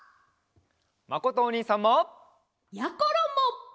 まことおにいさんも！やころも！